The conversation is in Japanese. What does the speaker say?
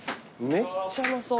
めっちゃうまそう。